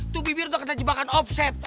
tuh bibir lo kena jebakan offset